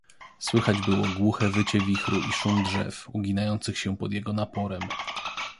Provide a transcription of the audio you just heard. "Słychać było głuche wycie wichru i szum drzew, uginających się pod jego naporem."